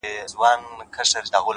هره پرېکړه راتلونکی جوړوي,